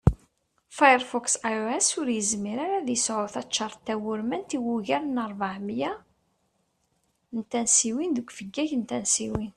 Firefox iOS ur yizmir ara ad yesεu taččart tawurmant i ugar n rbeɛ miyya n tansiwin deg ufeggag n tansiwin